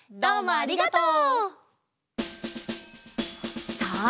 ありがとう！